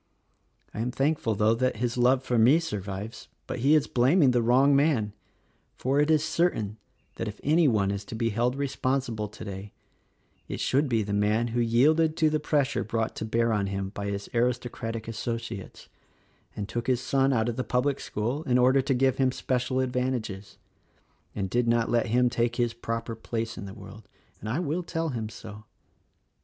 '"I am thankful though that his love for me survives; but he is blaming the wrong man, for it is certain that if any one is to be held responsible today, it should be the man who yielded to the pressure brought to bear on him by his aristocratic associates and took his son out of the public school in order to give him special advantages, and did not let him take his proper place in the world — and I will tell him so."